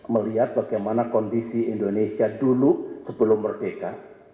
melihat bagaimana kondisi indonesia dulu sebelum merdeka